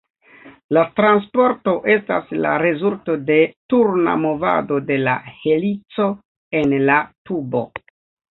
La transporto estas la rezulto de turna movado de la helico en la tubo.